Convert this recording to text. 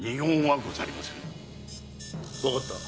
わかった。